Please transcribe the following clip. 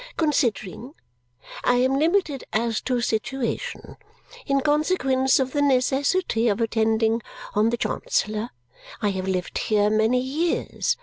Considering. I am limited as to situation. In consequence of the necessity of attending on the Chancellor. I have lived here many years.